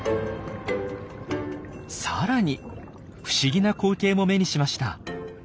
さらに不思議な光景も目にしました。